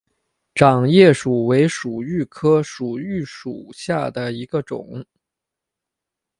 掌叶薯为薯蓣科薯蓣属下的一个种。